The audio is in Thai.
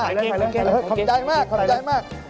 ไปเลยขอบใจมาก